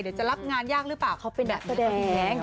จะรับงานยากหรือเปล่าเขาเป็นนักแสดง